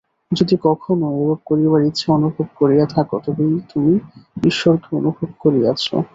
যদি কখনও এরূপ করিবার ইচ্ছা অনুভব করিয়া থাক, তবেই তুমি ঈশ্বরকে অনুভব করিয়াছ।